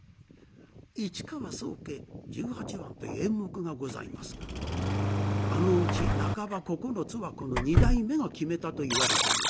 市川宗家十八番という演目がございますがあのうち半ば９つはこの二代目が決めたといわれているほど。